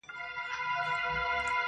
ولاړم دا ځل تر اختتامه پوري پاته نه سوم.